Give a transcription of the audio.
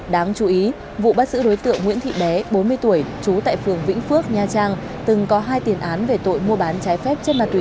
đáng chú ý vụ bắt giữ đối tượng nguyễn thị bé bốn mươi tuổi trú tại phường vĩnh phước nha trang từng có hai tiền án về tội mua bán trái phép chất ma túy